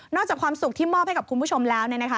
นอกจากความสุขที่มอบให้กับคุณผู้ชมแล้ว